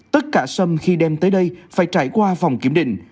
tất cả sâm khi đem tới đây phải trải qua phòng kiểm định